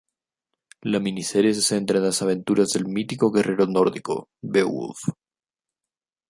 La miniserie se centra en las aventuras del mítico guerrero nórdico Beowulf.